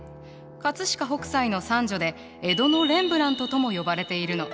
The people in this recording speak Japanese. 飾北斎の三女で江戸のレンブラントとも呼ばれているの。